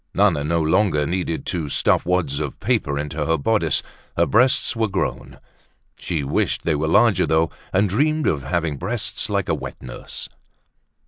Nana no longer needed to stuff wads of paper into her bodice, her breasts were grown. She wished they were larger though, and dreamed of having breasts like a wet nurse.